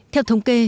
theo thống kê